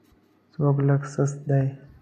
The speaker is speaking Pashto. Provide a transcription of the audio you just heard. څوک لږ سست دی.